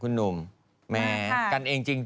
คุณหนุ่มแม้กันเองจริง